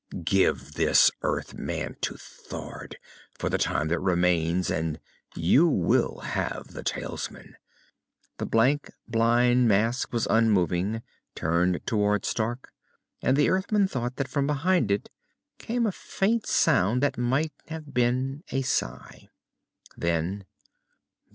Give this Earthman to Thord, for the time that remains and you will have the talisman." The blank, blind mask was unmoving, turned toward Stark, and the Earthman thought that from behind it came a faint sound that might have been a sigh. Then....